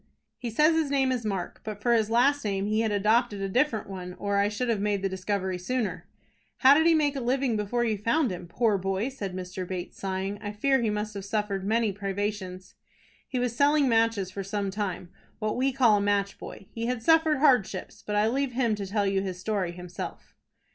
"He says his name is Mark, but for his last name he had adopted a different one, or I should have made the discovery sooner." "How did he make a living before you found him? Poor boy!" said Mr. Bates, sighing, "I fear he must have suffered many privations." "He was selling matches for some time, what we call a match boy. He had suffered hardships, but I leave him to tell you his story himself."